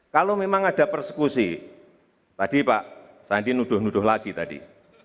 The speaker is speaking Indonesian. kalau memang ada persekusi tadi pak sandi nuduh nuduh lagi tadi